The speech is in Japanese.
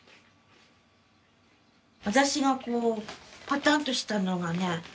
私がこうパタンとしたのがね